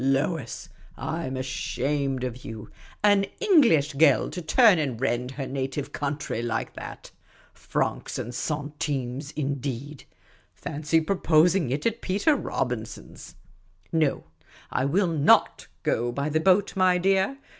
Lois, I 'm ashamed of you. An English 3 34 Miss Cayley's Adventures girl to turn and rend her native country like that ! Francs and centimes, indeed ! Fancy proposing it at Peter Robin son's ! No, I will not go by the boat, my dear.